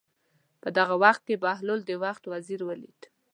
په دغه وخت کې بهلول د وخت وزیر ولید.